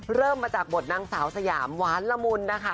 เริ่มมาจากบทนางสาวสยามหวานละมุนนะคะ